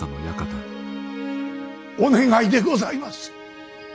お願いでございます。